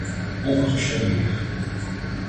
Porto Xavier